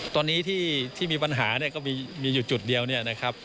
ตอนนี้ที่มีปัญหาก็มีอยู่จุดเดียวนะครับ